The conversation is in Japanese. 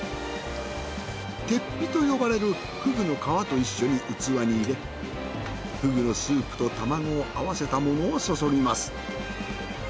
てっぴと呼ばれるふぐの皮と一緒に器に入れふぐのスープと卵を合わせたものを注ぎます。